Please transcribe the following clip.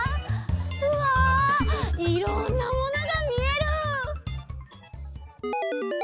うわいろんなものがみえる！